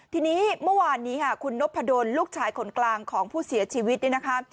ทีนี้เมื่อวานนี้ค่ะคุณนพดลลูกชายคนกลางของผู้เสียชีวิตเนี่ยนะคะ